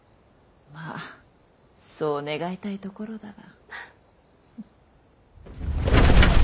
まあそう願いたいところだが。